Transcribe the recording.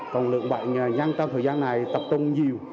còn lượng bệnh nhân trong thời gian này tập trung nhiều